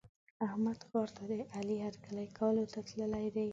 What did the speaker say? احمد ښار ته د علي هرکلي کولو ته تللی دی.